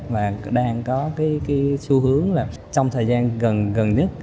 và đang có cái xu hướng là trong thời gian gần nhất